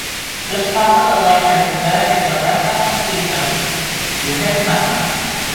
This prompted the Lakers to dedicate the rest of their season to his memory.